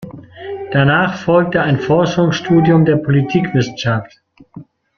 Danach folgte ein Forschungsstudium der Politikwissenschaft.